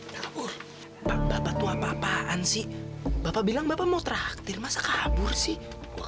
kabur bapak apaan sih bapak bilang bapak mau traktir masa kabur sih